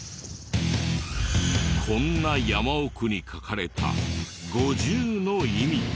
こんな山奥に書かれた５０の意味とは？